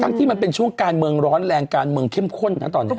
ที่มันเป็นช่วงการเมืองร้อนแรงการเมืองเข้มข้นนะตอนนี้